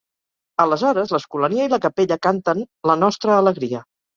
Aleshores l'escolania i la capella canten "La nostra alegria".